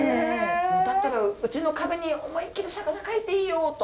「だったらうちの壁に思いっきり魚描いていいよ」と。